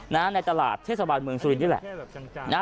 ในตลาดเทศกรรมเมืองสุรินทร์นี่แหละ